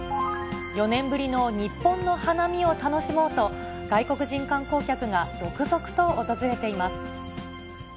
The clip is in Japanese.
４年ぶりの日本の花見を楽しもうと、外国人観光客が続々と訪れています。